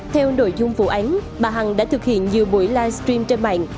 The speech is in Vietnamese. theo nội dung vụ án bà hằng đã thực hiện nhiều buổi live stream trên mạng